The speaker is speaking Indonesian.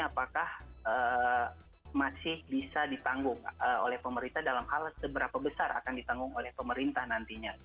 apakah masih bisa ditanggung oleh pemerintah dalam hal seberapa besar akan ditanggung oleh pemerintah nantinya